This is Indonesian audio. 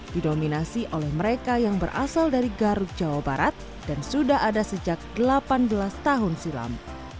didominasi oleh mereka yang berasal dari garut jawa barat dan sudah ada sejak delapan belas tahun silam